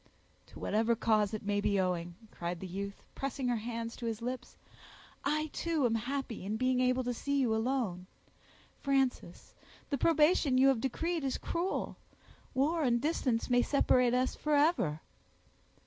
"To whatever cause it may be owing," cried the youth, pressing her hands to his lips, "I, too, am happy in being able to see you alone. Frances, the probation you have decreed is cruel; war and distance may separate us forever."